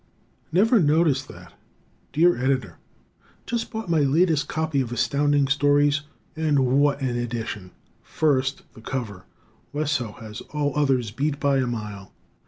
Never Noticed That Dear Editor: Just bought my latest copy of Astounding Stories, and what an edition! First, the cover (Wesso has all others beat by a mile).